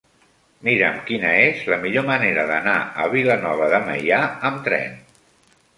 Mira'm quina és la millor manera d'anar a Vilanova de Meià amb tren.